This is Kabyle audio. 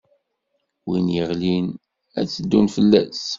Win iɣlin, ad tt-ddun fell-as.